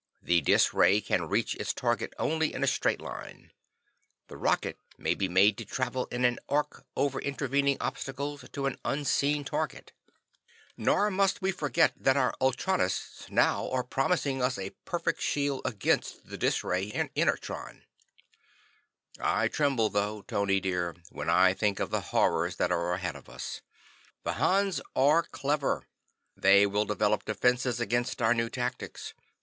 The dis ray can reach its target only in a straight line. The rocket may be made to travel in an arc, over intervening obstacles, to an unseen target. "Nor must we forget that our ultronists now are promising us a perfect shield against the dis ray in inertron." "I tremble though, Tony dear, when I think of the horrors that are ahead of us. The Hans are clever. They will develop defenses against our new tactics.